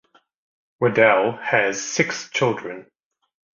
Waddell has six children.